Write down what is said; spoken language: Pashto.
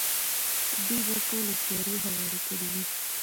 دوی به ټولې تیارې هوارې کړې وي.